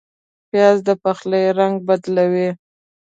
پیاز د پخلي رنګ بدلوي